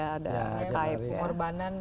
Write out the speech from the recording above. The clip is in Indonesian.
pengorbanan dan perjuangan kita